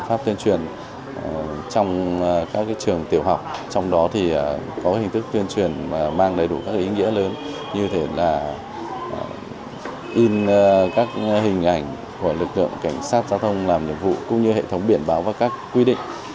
phòng cảnh sát giao thông làm nhiệm vụ cũng như hệ thống biển báo và các quy định